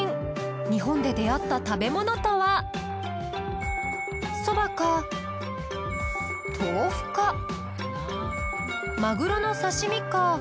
日本で出会った食べ物とは蕎麦か豆腐かマグロの刺身か